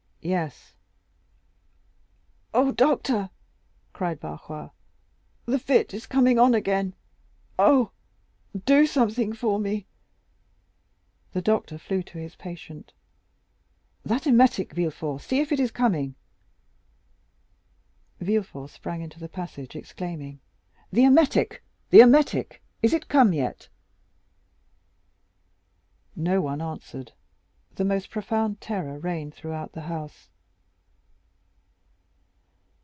"Yes." "Oh, doctor," cried Barrois, "the fit is coming on again. Oh, do something for me." The doctor flew to his patient. "That emetic, Villefort—see if it is coming." Villefort sprang into the passage, exclaiming, "The emetic! the emetic!—is it come yet?" No one answered. The most profound terror reigned throughout the house.